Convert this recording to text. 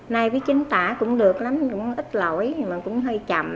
nay cái chính tả cũng được lắm cũng ít lỗi nhưng mà cũng hơi chậm